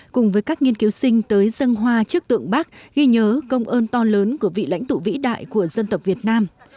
cùng với các nghiên cứu sinh tới dân hoa trước tượng bác ghi nhớ công ơn to lớn của vị lãnh tụ vĩ đại của dân tộc việt nam